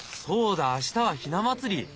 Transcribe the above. そうだ明日はひな祭り！